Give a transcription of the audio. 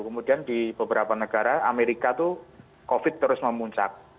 kemudian di beberapa negara amerika itu covid terus memuncak